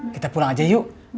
kita pulang aja yuk